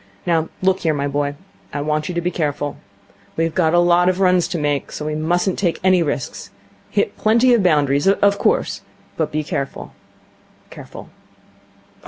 Now look here, my boy. I want you to be careful. We've a lot of runs to make, so we mustn't take any risks. Hit plenty of boundaries, of course, but be careful. Careful.